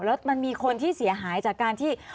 แล้วมันมีคนที่เสียหายจากการที่